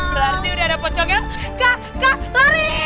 berarti udah ada pocongnya kak kak lari